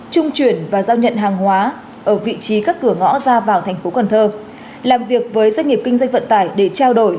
trung chuyển và giao nhận hàng hóa ở vị trí các cửa ngõ ra vào thành phố cần thơ làm việc với doanh nghiệp kinh doanh vận tải để trao đổi